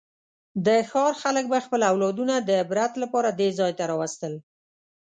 د ښار خلکو به خپل اولادونه د عبرت لپاره دې ځای ته راوستل.